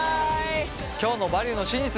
今日の「バリューの真実」